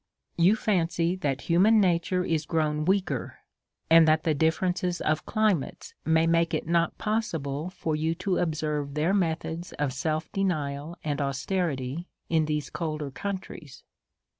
You fancy that human nature is grown v/eaker, and that the differ ence of climates may make it not possible for you to observe their methods of self denial and austerity in these colder countries.